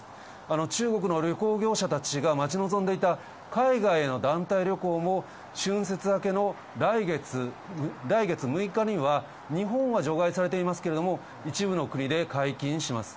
中国の旅行業者たちが待ち望んでいた、海外への団体旅行も、春節明けの来月６日には、日本は除外されていますけれども、一部の国で解禁します。